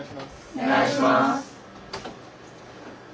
お願いします。